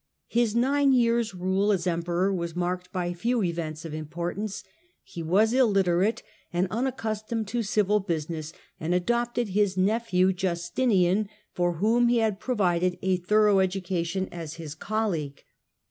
His nine years' rule as Emperor was marked by few events of importance. He was il literate and unaccustomed to civil business, and adopted his nephew Justinian, for whom he had provided a thorough education, as his colleague.